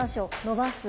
伸ばす？